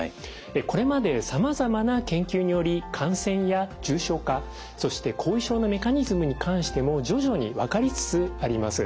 これまでさまざまな研究により感染や重症化そして後遺症のメカニズムに関しても徐々に分かりつつあります。